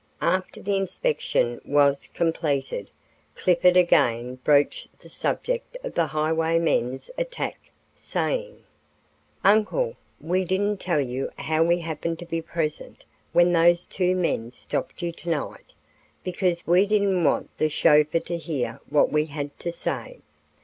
After the inspection was completed, Clifford again broached the subject of the highwaymen's attack, saying: "Uncle, we didn't tell you how we happened to be present when those two men stopped you tonight, because we didn't want the chauffeur to hear what we had to say.